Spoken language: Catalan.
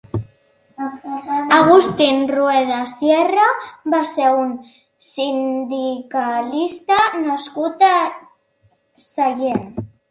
Agustín Rueda Sierra va ser un sindicalista nascut a Sallent.